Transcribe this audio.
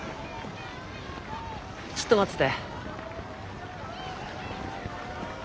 ちょっと待ってて。